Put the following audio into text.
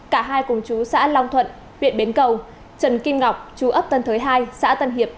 cả hai cùng chú xã long thuận huyện bến cầu trần kim ngọc chú ấp tân thới hai xã tân hiệp